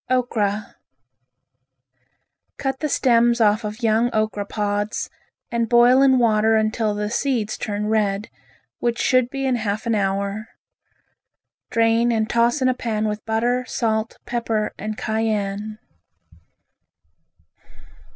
Okra Cut the stems off of young okra pods and boil in water until the seeds turn red, which should be in half an hour. Drain and toss in a pan with butter, salt, pepper and cayenne.